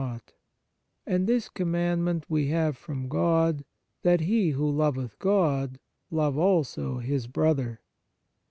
115 On Piety And this commandment we have from God, that he, who loveth God, love also his brother."